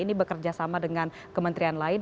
ini bekerja sama dengan kementerian lain